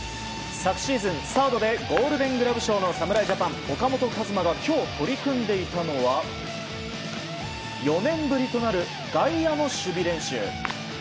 昨シーズン、サードでゴールデン・グラブ賞の侍ジャパン岡本和真が今日取り組んでいたのは４年ぶりとなる外野の守備練習。